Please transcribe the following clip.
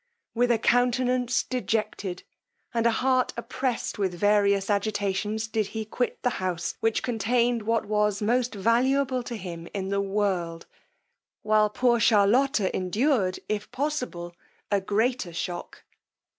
With a countenance dejected, and a heart oppressed with various agitations, did he quit the house which contained what was most valuable to him in the world, while poor Charlotta endured, if possible, a greater shock.